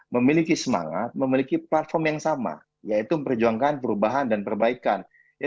memiliki semangat memiliki platform yang sama yaitu memperjuangkan perubahan dan perbaikan